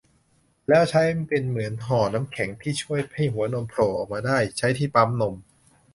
แล้วใช้เป็นเหมือนห่อน้ำแข็งที่ช่วยให้หัวนมโผล่ออกมาได้ ใช้ที่ปั๊มนม